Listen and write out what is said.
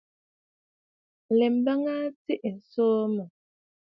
Aləə a bə aa tsiꞌì tsǒ mɔꞌɔ.